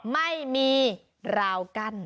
ไม่มีราวกั้น